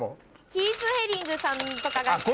キース・ヘリングさんとかが好きで。